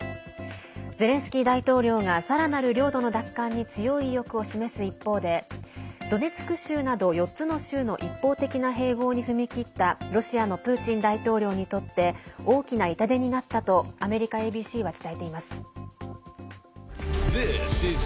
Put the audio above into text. ゼレンスキー大統領がさらなる領土の奪還に強い意欲を示す一方でドネツク州など、４つの州の一方的な併合に踏み切ったロシアのプーチン大統領にとって大きな痛手になったとアメリカＡＢＣは伝えています。